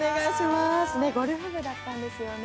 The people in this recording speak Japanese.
ゴルフ部だったんですよね。